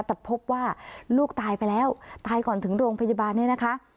แต่พบว่าลูกตายไปแล้วตายก่อนถึงโรงพยาบาลเนี่ยนะคะ